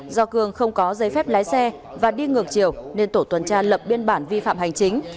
do cường không có giấy phép lái xe và đi ngược chiều nên tổ tuần tra lập biên bản vi phạm hành chính